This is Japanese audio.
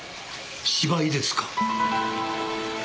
芝居ですか。